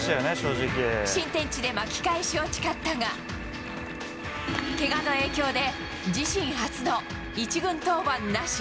新天地で巻き返しを誓ったが、けがの影響で、自身初の１軍登板なし。